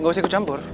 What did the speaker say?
nggak usah ikut campur